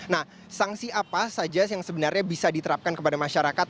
nah sanksi apa saja yang sebenarnya bisa diterapkan kepada masyarakat